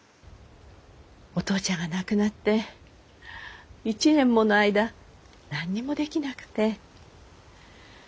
お父ちゃんが亡くなって一年もの間何にもできなくて。